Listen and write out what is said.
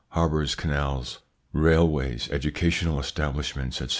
Harbours, canals, railways, educational establish ments, etc.